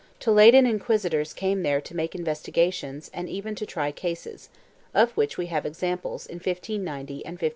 Toledan inquisitors came there to make investigations and even to try cases, of which we have examples in 1590 and 1592.